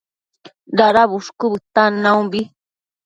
Dada bushcu bëtan naumbi